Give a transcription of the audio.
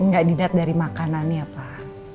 gak didat dari makanan ya pak